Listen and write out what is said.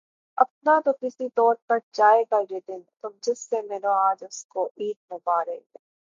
اپنا تو کسی طور کٹ جائے گا یہ دن، تم جس سے ملو آج اس کو عید مبارک